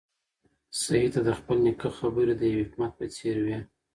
سعید ته د خپل نیکه خبرې د یو حکمت په څېر وې.